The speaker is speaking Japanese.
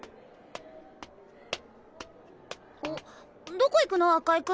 どこ行くの赤井君。